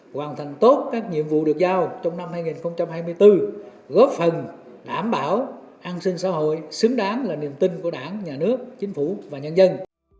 hoàn thành tốt các nhiệm vụ được giao trong năm hai nghìn hai mươi bốn góp phần đảm bảo an sinh xã hội xứng đáng là niềm tin của đảng nhà nước chính phủ và nhân dân